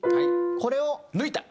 これを抜いて。